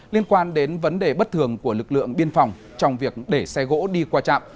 liên quan đến vấn đề bất thường của lực lượng biên phòng trong việc để xe gỗ đi qua trạm